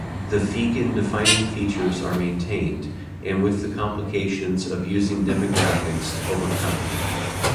The Feagin defining features are maintained, and with the complications of using demographics overcome.